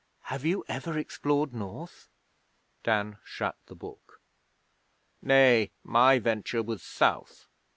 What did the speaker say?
'Have you ever explored North?' Dan shut the book. 'Nay. My venture was South.